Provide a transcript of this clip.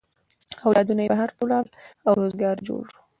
اولادونه یې بهر ته ولاړل او روزگار یې جوړ شو.